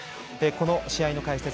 この試合の解説